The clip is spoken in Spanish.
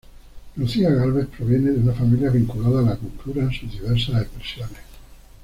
Lucía Gálvez proviene de una familia vinculada a la cultura en sus diversas expresiones.